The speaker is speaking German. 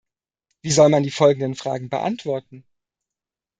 Wie soll man die folgenden Fragen beantworten?